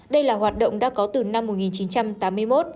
đây là hoạt động đã có từ năm một nghìn chín trăm tám mươi một